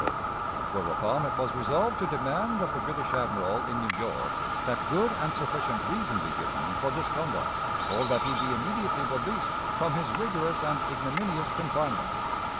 Whereupon it was resolved to demand of the British Admiral in New York that good and sufficient reason be given for this conduct, or that he be immediately released from his rigorous and ignominious confinement.